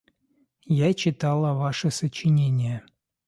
Я читала Ваши сочинения.